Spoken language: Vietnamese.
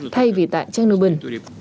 thay vì tại chernobyl